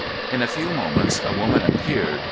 In a few moments a woman appeared.